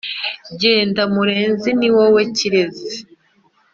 Jyenda murezi ni wowe kirêzi!